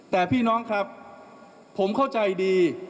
แต่พี่น้องครับผมเข้าใจดี